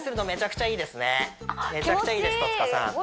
めちゃくちゃいいです戸塚さん